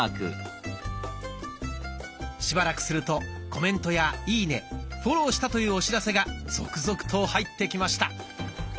しばらくするとコメントやいいねフォローしたというお知らせが続々と入ってきました。